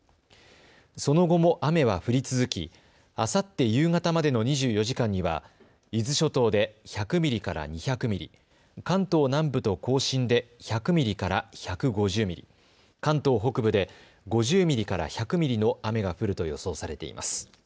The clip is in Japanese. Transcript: その後も雨は降り続き、あさって夕方までの２４時間には伊豆諸島で１００ミリから２００ミリ、関東南部と甲信で１００ミリから１５０ミリ、関東北部で５０ミリから１００ミリの雨が降ると予想されています。